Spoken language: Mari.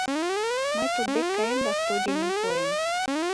Мый туддек каем да студеньым пуэм.